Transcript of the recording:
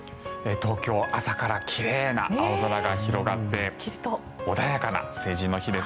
東京、朝から奇麗な青空が広がって穏やかな成人の日です。